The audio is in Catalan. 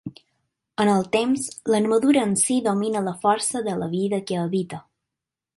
En el temps, l'armadura en si domina la força de la vida que habita.